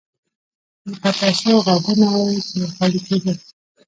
د پتاسو غابونه وو چې خالي کېدل به.